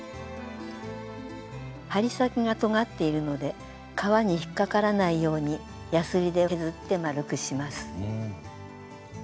針先がとがっているので革に引っかからないようにやすりで削って丸くします。